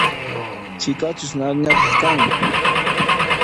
Chiqachus ñak'aq kan?